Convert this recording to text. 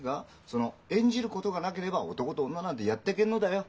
その演じることがなければ男と女なんてやってけんのだよ。